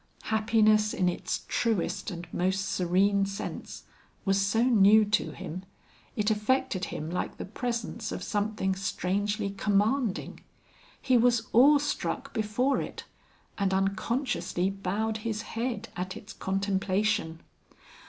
Happiness in its truest and most serene sense was so new to him, it affected him like the presence of something strangely commanding. He was awe struck before it, and unconsciously bowed his head at its contemplation.